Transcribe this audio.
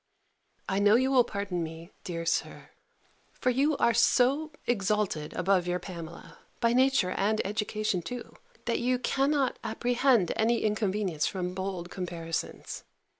I know you will pardon me, dear Sir; for you are so exalted above your Pamela, by nature and education too, that you cannot apprehend any inconvenience from bold comparisons.